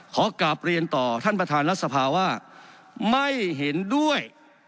ขอกลับเรียนต่อท่านประธานรัฐสภาว่าไม่เห็นด้วย